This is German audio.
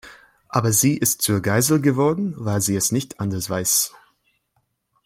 Aber sie ist zur Geisel geworden, weil sie es nicht anders weiß.